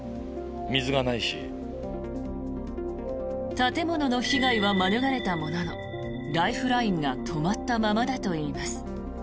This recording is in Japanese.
建物の被害は免れたもののライフラインが止まったままだといいます。